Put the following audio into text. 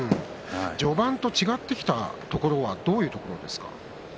序盤と違ってきたのはどういうところですか？